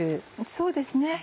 そうですね。